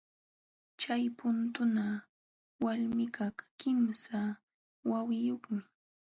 Chay putuuna walmikaq kimsa wawiyuqmi.